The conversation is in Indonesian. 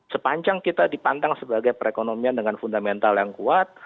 sepanjang kita dipandang sebagai perekonomian dengan fundamental yang kuat